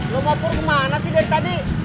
lo mau pur kemana sih dari tadi